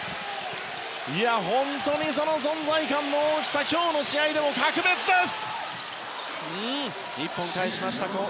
本当にその存在感、大きさ今日の試合でも格別です！